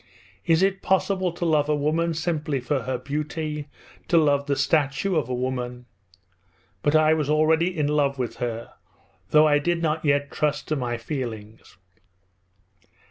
Is it possible to love a woman simply for her beauty, to love the statue of a woman?" But I was already in love with her, though I did not yet trust to my feelings.